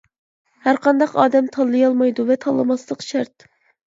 ھەرقانداق ئادەم تاللىمايدۇ ۋە تاللىماسلىق شەرت.